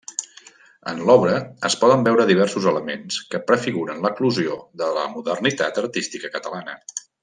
En l'obra, es poden veure diversos elements que prefiguren l'eclosió de la modernitat artística catalana.